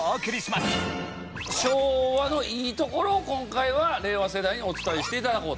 昭和のいいところを今回は令和世代にお伝えして頂こうと。